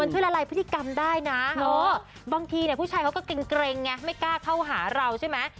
ช่วยละลายพฤติกรรมได้นะบางทีเนี่ยผู้ชายเขาก็เกร็งไงไม่กล้าเข้าหาเราใช่ไหม